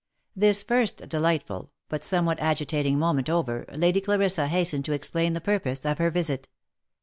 This first delightful, but somewhat agitating moment over, Lady Clarissa hastened to explain the purpose of her visit.